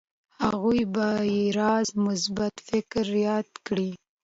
هغوی به يې راز مثبت فکر ياد کړي.